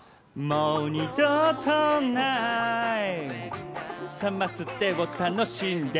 もう二度とないサマステを楽しんで！